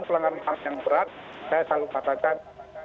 pelanggaran ham yang berat saya selalu katakan